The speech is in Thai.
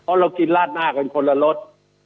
เพราะเรากินราดหน้ากันคนละรส